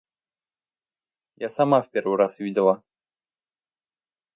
Я сама в первый раз видела.